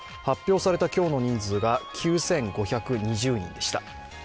発表された今日の人数が９５２０人でした。